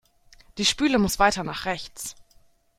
Die Spüle muss weiter nach rechts.